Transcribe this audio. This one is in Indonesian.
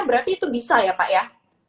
berarti itu bisa ya pak ya